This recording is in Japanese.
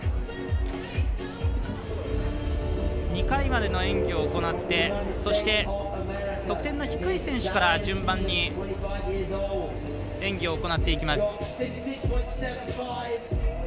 ２回までの演技を行ってそして、得点の低い選手から順番に演技を行っていきます。